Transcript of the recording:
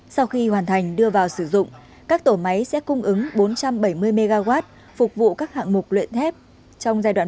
sau khi hoàn thành đưa vào sử dụng các tổ máy sẽ cung ứng bốn trăm bảy mươi mw phục vụ các hạng mục luyện thép trong giai đoạn một